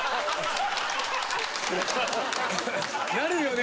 なるよね！